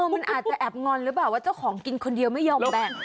มันอาจจะแอบงอนหรือเปล่าว่าเจ้าของกินคนเดียวไม่ยอมแบ่ง